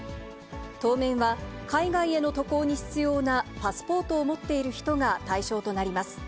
当面は海外への渡航に必要なパスポートを持っている人が対象となります。